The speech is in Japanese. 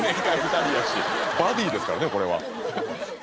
バディーですからねこれは。